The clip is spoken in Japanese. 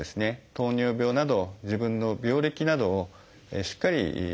糖尿病など自分の病歴などをしっかり伝える。